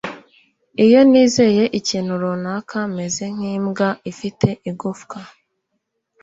iyo nizeye ikintu runaka, meze nk'imbwa ifite igufwa